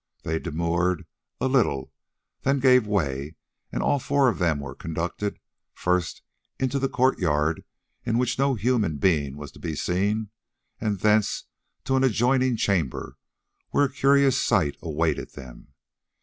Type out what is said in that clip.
They demurred a little, then gave way, and all four of them were conducted, first into the courtyard, in which no human being was to be seen, and thence to an adjoining chamber, where a curious sight awaited them.